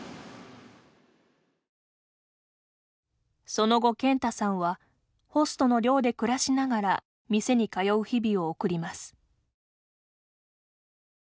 その後健太さんはホストの寮で暮らしながら店に通う日々を送ります。